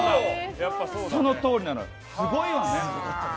そのとおりなのよ、すごいわね。